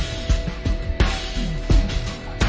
มาละแยต์โอ้โห